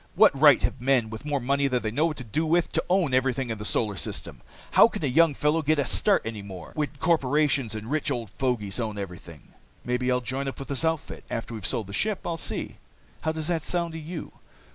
What right have men with more money than they know what to do with to own everything in the Solar System? How can a young fellow get a start any more, when corporations and rich old fogies own everything? "Maybe I'll join up with this outfit. After we've sold the ship I'll see. How does that sound to you?"